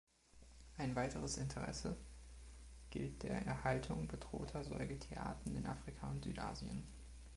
Ein weiteres Interesse gilt der Erhaltung bedrohter Säugetierarten in Afrika und Südasien.